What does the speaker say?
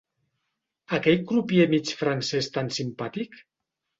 Aquell crupier mig francès tan simpàtic?